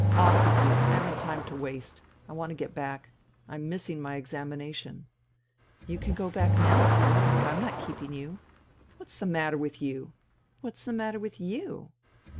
Off with you! I haven't time to waste. I want to get back. I am missing my examination !"" You can go back now if you like. I'm not keeping you." " What's the matter with you ?"" What's the matter with you